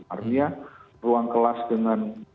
artinya ruang kelas dengan